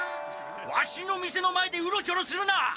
ワシの店の前でうろちょろするな！